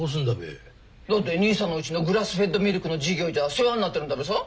だって兄さんのうちのグラスフェッドミルクの事業じゃ世話になってるんだべさ？